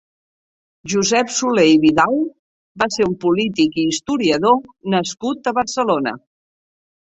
Josep Soler i Vidal va ser un polític i historiador nascut a Barcelona.